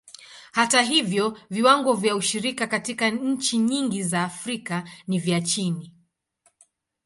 Hata hivyo, viwango vya ushiriki katika nchi nyingi za Afrika ni vya chini.